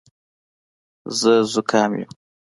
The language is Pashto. زه زوکام یم